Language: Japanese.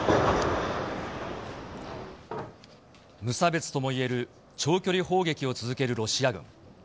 無差別ともいえる長距離砲撃を続けるロシア軍。